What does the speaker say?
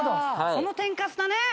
その天かすだね。